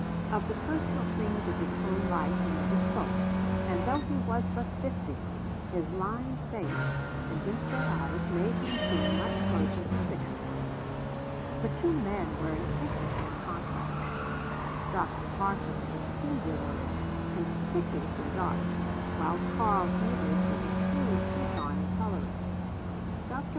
Of the personal things of his own life he never spoke, and though he was but fifty, his lined face and deep set eyes made him seem much closer to sixty. The two men were an interesting contrast; Dr. Parkman was singularly, conspicuously dark, while Karl Hubers was a true Teuton in colouring. Dr.